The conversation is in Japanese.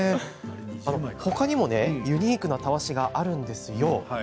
ほかにもユニークなたわしがあります。